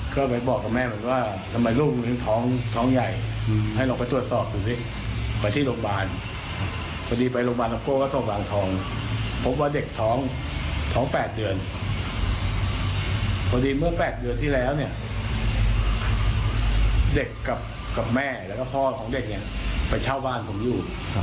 กับแม่แล้วก็พ่อของเด็กเนี้ยไปเช่าบ้านผมอยู่อ่า